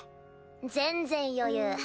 全然余裕。